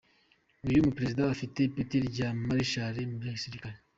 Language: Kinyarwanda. Uyu mu Perezida afite ipeti rya Marshal mu bya gisirikare.